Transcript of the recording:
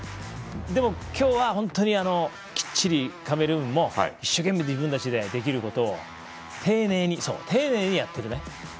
でも、今日は本当にきっちりカメルーンも一生懸命自分たちでできることを丁寧にやっていく。